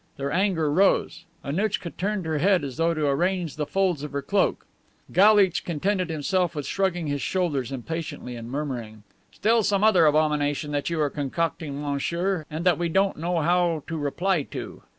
Their anger rose. Annouchka turned her head as though to arrange the folds of her cloak. Galitch contented himself with shrugging his shoulders impatiently and murmuring: "Still some other abomination that you are concocting, monsieur, and that we don't know how to reply to."